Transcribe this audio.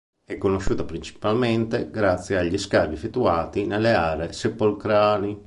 È conosciuta principalmente grazie agli scavi effettuati nelle aree sepolcrali.